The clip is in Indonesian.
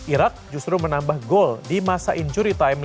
irak justru menambah gol di masa injury time